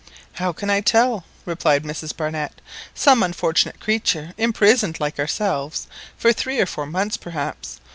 "How can I tell?" replied Mrs Barnett. "Some unfortunate creature imprisoned like ourselves for three or four months perhaps.